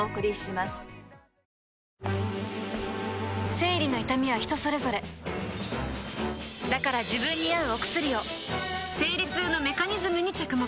生理の痛みは人それぞれだから自分に合うお薬を生理痛のメカニズムに着目